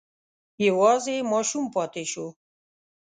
یوازې ماشوم پاتې شو.